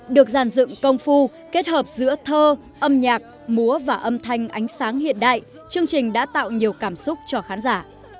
được giàn dựng công phu kết hợp giữa thơ âm nhạc múa và âm thanh ánh sáng hiện đại chương trình đã tạo nhiều cảm xúc cho khán giả